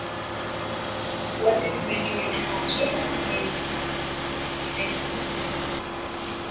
Huathiri zaidi wanyama wachanga hasa wenye umri usiozidi miaka mitatu wanyama waliozaliwa